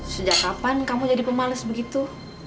sejak kapan kamu jadi pemalis begitu